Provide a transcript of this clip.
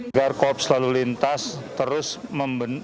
agar korps lalu lintas terus